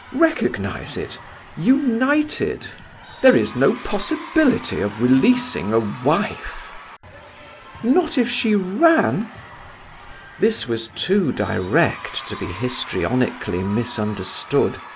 Recognize it; united. There is no possibility of releasing a wife!" "Not if she ran ...?" This was too direct to be histrionically misunderstood.